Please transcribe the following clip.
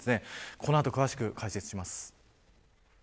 この後、詳しく解説します。